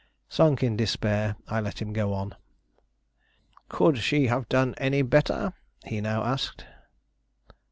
Sunk in despair, I let him go on. "Could she have done any better?" he now asked.